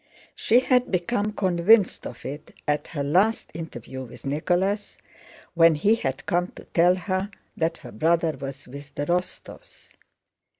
She had become convinced of it at her last interview with Nicholas, when he had come to tell her that her brother was with the Rostóvs.